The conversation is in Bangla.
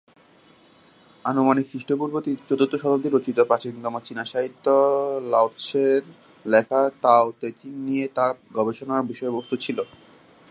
আনুমানিক খ্রিস্টপূর্ব চতুর্থ শতাব্দীতে রচিত প্রাচীনতম চিনা সাহিত্য, লাওৎসে-র লেখা ‘তাও-তে-চিং’ নিয়ে তার গবেষণার বিষয়বস্তু ছিল।